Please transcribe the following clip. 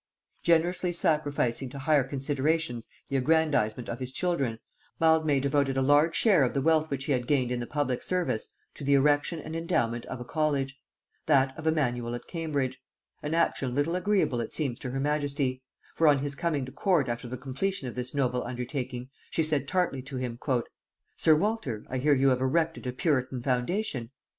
Generously sacrificing to higher considerations the aggrandizement of his children, Mildmay devoted a large share of the wealth which he had gained in the public service to the erection and endowment of a college; that of Emanuel at Cambridge, an action little agreeable it seems to her majesty, for, on his coming to court after the completion of this noble undertaking, she said tartly to him; "Sir Walter, I hear you have erected a puritan foundation."